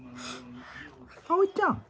葵ちゃん。